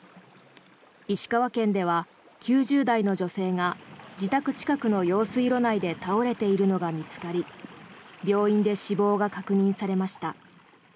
石川県では９０代の女性が自宅近くの用水路内で倒れているのが見つかり病院で死亡が確認されました。